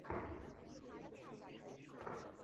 আপনি কতকটা এই ভাবের কথাই সেদিনকার প্রবন্ধেও বলিয়াছিলেন।